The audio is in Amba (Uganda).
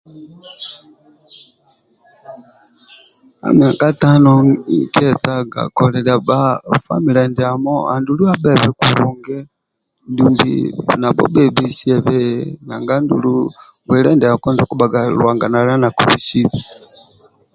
Ka myaka tano nkietaga kolilia bha famile ndiamo andulu abhebe kulungi dumbi nabho bhebhesiebe nanga andulu bwile ndako ndio okubhaga Luhanga nalia nakubisibe